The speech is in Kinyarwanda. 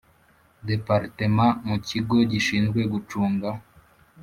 Department mu kigo gishinzwe gucunga